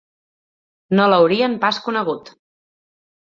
No l'haurien pas conegut